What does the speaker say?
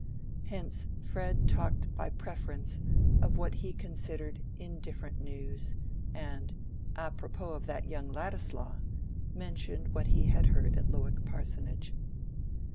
Hence Fred talked by preference of what he considered indifferent news, and "a propos of that young Ladislaw" mentioned what he had heard at Lowick Parsonage.